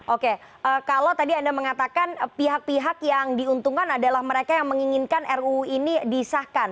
oke kalau tadi anda mengatakan pihak pihak yang diuntungkan adalah mereka yang menginginkan ruu ini disahkan